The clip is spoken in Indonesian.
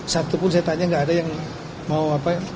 satu pun saya tanya nggak ada yang mau apa